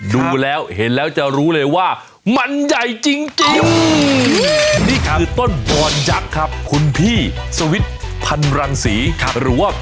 ดูแล้วเห็นแล้วจะรู้เลยว่ามันใหญ่จริงจริงนี่คือต้นบอร์นยักษ์ครับ